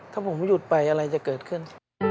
ถ้าผมหยุดไปอะไรจะเกิดขึ้น